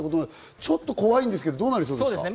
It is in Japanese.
ちょっと怖いんですけど、どうですか？